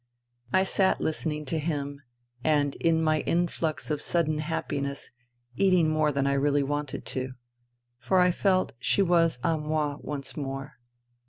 I sat listening to him and in my influx of sudden happiness eating more than I really wanted to ; for I felt she was a moi once more.